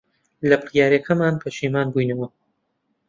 لە بڕیارەکەمان پەشیمان بووینەوە.